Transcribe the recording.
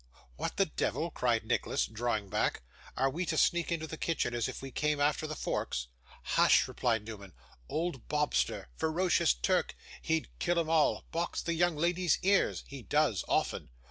'What the devil!' cried Nicholas, drawing back. 'Are we to sneak into the kitchen, as if we came after the forks?' 'Hush!' replied Newman. 'Old Bobster ferocious Turk. He'd kill 'em all box the young lady's ears he does often.